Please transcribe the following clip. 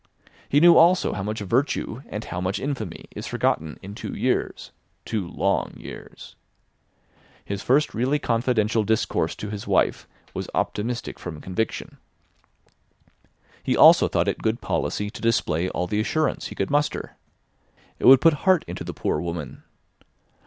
He knew also how much virtue and how much infamy is forgotten in two years—two long years. His first really confidential discourse to his wife was optimistic from conviction. He also thought it good policy to display all the assurance he could muster. It would put heart into the poor woman.